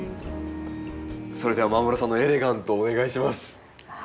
それでは間室さんのエレガントお願いします。